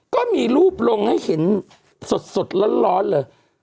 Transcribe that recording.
ก็มีรูปลงให้เห็นสดร้อนเลย